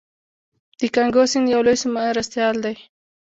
د کانګو سیند یو لوی مرستیال دی.